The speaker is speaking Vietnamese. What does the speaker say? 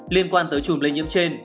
liên quan tới chùm lây nhiễm trên